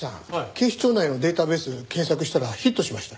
警視庁内のデータベース検索したらヒットしました。